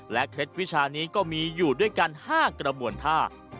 เคล็ดวิชานี้ก็มีอยู่ด้วยกัน๕กระบวนท่า